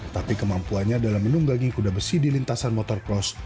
tapi kemampuannya dalam menunggangi kuda besi di lintasan motorpros